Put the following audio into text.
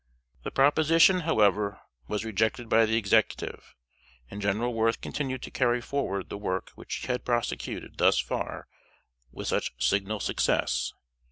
The proposition, however, was rejected by the Executive; and General Worth continued to carry forward the work which he had prosecuted thus far with such signal success.